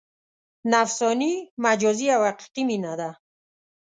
نفساني، مجازي او حقیقي مینه ده.